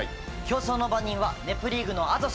『競争の番人』は『ネプリーグ』の後です。